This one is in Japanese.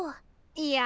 いや。